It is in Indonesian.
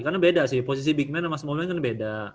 karena beda sih posisi big man sama small man kan beda